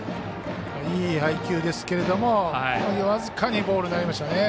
いい配球ですけれども僅かにボールになりました。